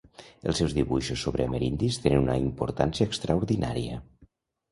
Els seus dibuixos sobre amerindis tenen una importància extraordinària.